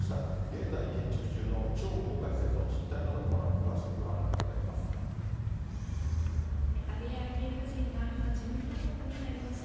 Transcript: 現在建築中の超豪華施設の実態など、このあと詳しくご覧いただきます。